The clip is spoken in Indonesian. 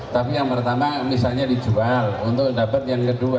tapi yang pertama misalnya dijual untuk dapat yang kedua